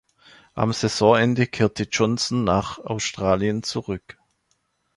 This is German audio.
Am Saisonende kehrte Johnson nach Australien zurück.